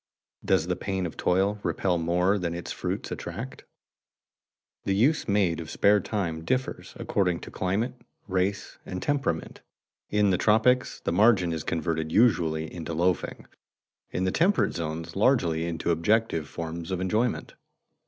Does the pain of toil repel more than its fruits attract? The use made of spare time differs according to climate, race, and temperament. In the tropics the margin is converted usually into loafing, in the temperate zones largely into objective forms of enjoyment.